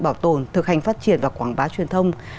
bảo tồn thực hành phát triển và quảng bá truyền thông